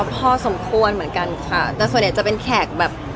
ก็คือบอกว่างานจะโฟลลพรื่นสัมปัส